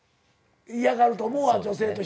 嫌がると思うわ女性としては。